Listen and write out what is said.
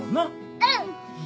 うん。